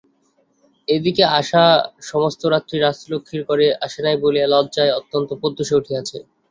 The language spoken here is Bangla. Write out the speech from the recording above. এ দিকে আশা সমস্ত রাত্রি রাজলক্ষ্মীর ঘরে আসে নাই বলিয়া লজ্জায় অত্যন্ত প্রত্যুষে উঠিয়াছে।